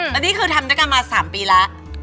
แล้วนี่คือทำด้วยกันมา๓ปีแล้ว